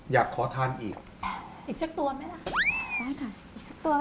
อยากขอทานอีกอีกสักตัวไหมล่ะได้ค่ะอีกสักตัวไหม